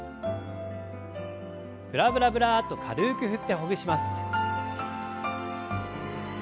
ブラブラブラッと軽く振ってほぐします。